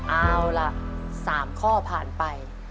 เอาล่ะ๓ข้อผ่านไป